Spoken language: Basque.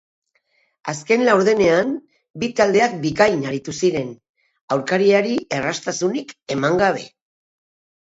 Azken laurdenean bi taldeak bikain aritu ziren, aurkariari erraztasunik eman gabe.